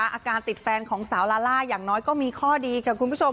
อาการติดแฟนของสาวลาล่าอย่างน้อยก็มีข้อดีค่ะคุณผู้ชม